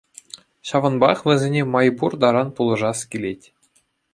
Ҫавӑнпах вӗсене май пур таран пулӑшас килет.